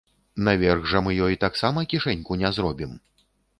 Наверх жа мы ёй таксама кішэньку не зробім.